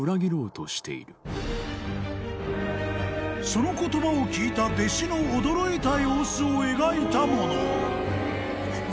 ［その言葉を聞いた弟子の驚いた様子を描いたもの］